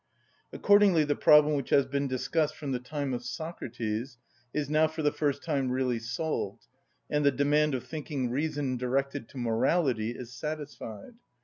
Accordingly the problem which has been discussed from the time of Socrates is now for the first time really solved, and the demand of thinking reason directed to morality is satisfied.